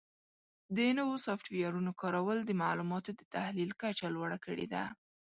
د نوو سافټویرونو کارول د معلوماتو د تحلیل کچه لوړه کړې ده.